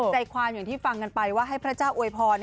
ใจความอย่างที่ฟังกันไปว่าให้พระเจ้าอวยพร